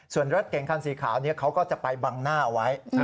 ส่วนรถเก่งคันสีขาวเขาก็จะไปบังหน้าเอาไว้